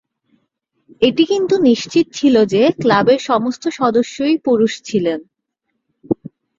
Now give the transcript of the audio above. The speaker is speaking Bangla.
এটি কিন্তু নিশ্চিত ছিল যে, ক্লাবের সমস্ত সদস্যই পুরুষ ছিলেন।